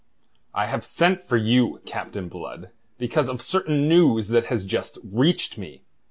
"I have sent for you, Captain Blood, because of certain news that has just reached me.